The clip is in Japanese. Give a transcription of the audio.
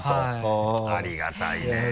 ありがたいね。